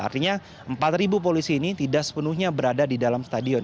artinya empat polisi ini tidak sepenuhnya berada di dalam stadion